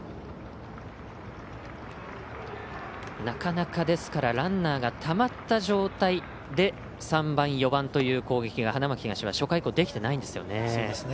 なかなかランナーがたまった状態で３番、４番という攻撃が花巻東は初回以降できてないんですよね。